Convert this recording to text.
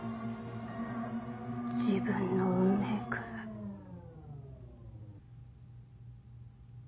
自分の運命くらい。